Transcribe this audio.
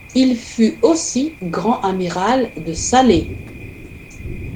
Il fut aussi Grand Amiral de Salé.